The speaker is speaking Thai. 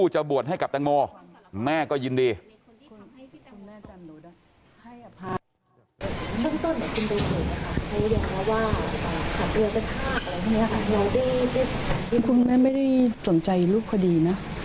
ให้กับตังโมแม่ก็ยินดี